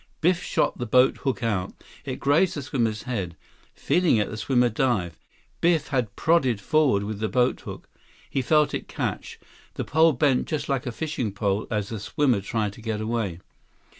Biff shot the boathook out. It grazed the swimmer's head. Feeling it, the swimmer dived. Biff prodded forward with the boathook. He felt it catch. The pole bent just like a fishing pole as the swimmer tried to get away.